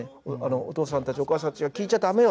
お父さんたちお母さんたちが聴いちゃ駄目よ